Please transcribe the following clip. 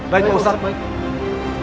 baik pak ustadz